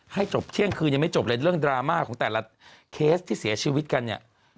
ให้จบเที่ยงคืนยังไม่จบเลยเรื่องดราม่าของแต่ละเคสที่เสียชีวิตกันเนี่ย